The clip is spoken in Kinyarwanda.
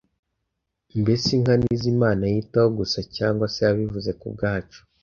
Mbese inka ni zo Imana yitaho gusa, cyangwa se yabivuze ku bwacu?